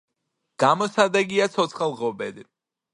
გამოსადეგია ცოცხალ ღობედ.